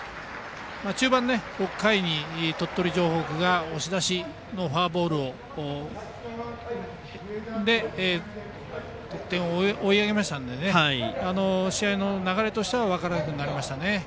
中盤、６回に鳥取城北が押し出しのフォアボールで得点を追い上げましたので試合の流れとしては分からなくなりましたね。